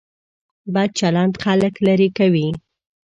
بد چلند خلک لرې کوي.